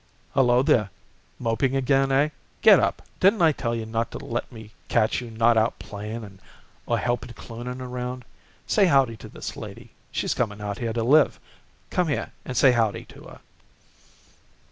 "Hello there! Moping again, eh? Get up! Didn't I tell you not to let me catch you not out playing or helping Cloonan around? Say howdy to this lady. She's coming out here to live. Come here and say howdy to her."